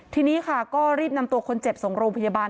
ทีนี้ค่ะก็รีบนำตัวคนเจ็บส่งโรงพยาบาล